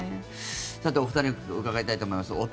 さて、お二人に伺いたいと思います。